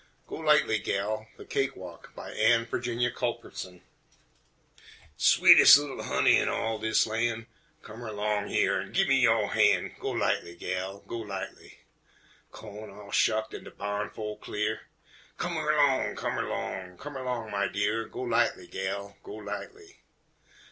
GO LIGHTLY, GAL (THE CAKE WALK) BY ANNE VIRGINIA CULBERTSON Sweetes' li'l honey in all dis lan', Come erlong yer an' gimme yo' han', Go lightly, gal, go lightly! Cawn all shucked an' de barn flo' clear, Come erlong, come erlong, come erlong, my dear, Go lightly, gal, go lightly!